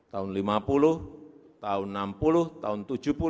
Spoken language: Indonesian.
tahun lima puluh tahun enam puluh tahun tujuh puluh